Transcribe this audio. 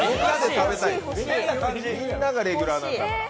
みんながレギュラーなんだから。